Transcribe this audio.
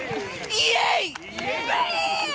イエーイ！